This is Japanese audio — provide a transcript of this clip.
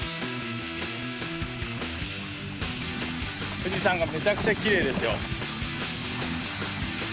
富士山がめちゃくちゃきれいですよ。